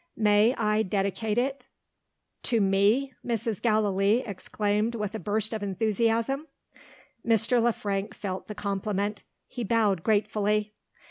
May I dedicate it ?" "To me!" Mrs. Gallilee exclaimed with a burst of enthusiasm. Mr. Le Frank felt the compliment. He bowed gratefully.